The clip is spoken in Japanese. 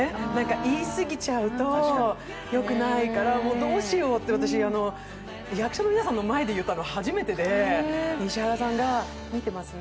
言い過ぎちゃうとよくないから、どうしようって私、役者の皆さんの前で言ったの初めてで、石原さんが、「見てますね」